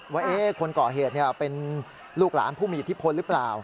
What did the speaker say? ว่าคนก่อเหตุเป็นลูกหลานผู้มีอิทธิพลหรือเปล่า